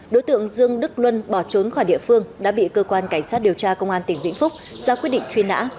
đối tượng dương đức luân bỏ trốn khỏi địa phương đã bị cơ quan cảnh sát điều tra công an tỉnh vĩnh phúc ra quyết định truy nã